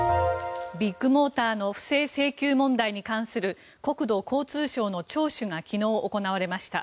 ビッグモーターの不正請求問題に関する国土交通省の聴取が昨日、行われました。